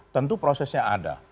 tentu prosesnya ada